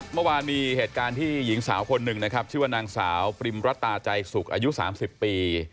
เมื่อวานมีเหตุการณ์ที่หญิงสาวคนหนึ่งนะครับชื่อว่านางสาวปริมรัตาใจสุขอายุ๓๐ปี